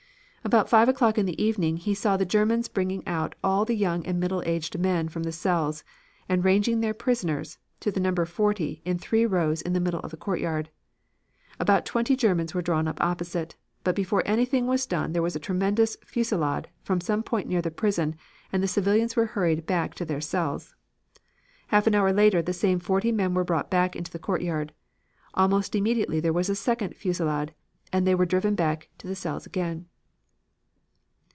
"About 5 o'clock in the evening, he saw the Germans bringing out all the young and middle aged men from the cells, and ranging their prisoners, to the number of forty, in three rows in the middle of the courtyard. About twenty Germans were drawn up opposite, but before anything was done there was a tremendous fusillade from some point near the prison and the civilians were hurried back to their cells. Half an hour later the same forty men were brought back into the courtyard. Almost immediately there was a second fusillade and they were driven back to the cells again.